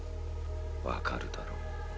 分かるだろう。